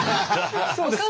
そうですか？